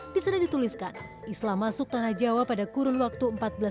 di sana dituliskan islam masuk tanah jawa pada kurun waktu seribu empat ratus lima puluh